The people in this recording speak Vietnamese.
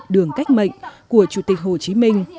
đường cách mệnh của chủ tịch hồ chí minh